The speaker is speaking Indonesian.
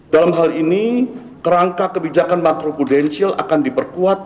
dalam hal ini kerangka kebijakan makro prudensial akan diperkuat